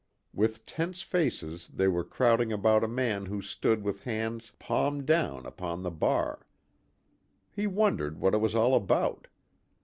With tense faces they were crowding about a man who stood with hands palm down upon the bar. He wondered what it was all about.